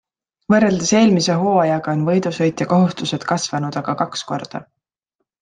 Võrreldes eelmise hooajaga on võidusõitja kohustused kasvanud aga kaks korda.